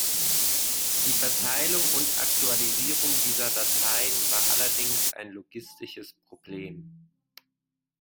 Die Verteilung und Aktualisierung dieser Dateien war allerdings ein logistisches Problem.